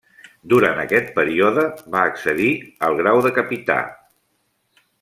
Durant aquest període va accedir al grau de capità.